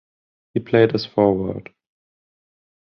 He played as forward.